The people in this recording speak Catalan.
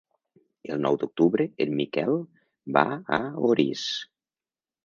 El nou d'octubre en Miquel va a Orís.